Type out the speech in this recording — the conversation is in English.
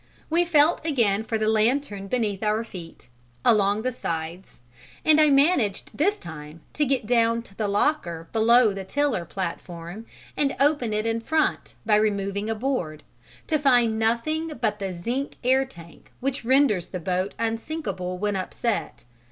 We felt again for the lantern beneath our feet, along the sides, and I managed this time to get down to the locker below the tiller platform and open it in front by removing a board, to find nothing but the zinc airtank which renders the boat unsinkable when upset.